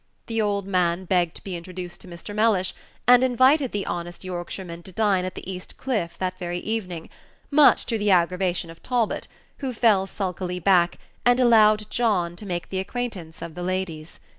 The old man begged to be introduced to Mr. Mellish, and invited the honest Yorkshireman to dine at the East Cliff that very evening, much to the aggravation of Talbot, who fell sulkily back, and allowed John to make the acquaintance of the ladies.